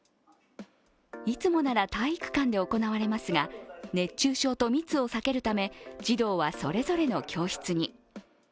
いつもなら体育館で行われますが、熱中症と密を避けるため、児童はそれぞれの教室に。